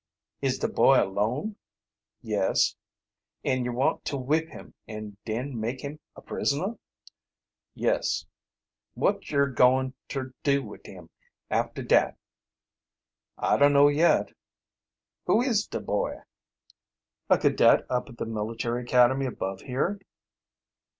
"Is de boy alone?" "Yes." "An' yer want to whip him and den make him a prisoner?" "Yes." "Wot yer goin' ter do wid him after dat?" "I don't know yet." "Who is de boy?" "A cadet up at the military academy above here."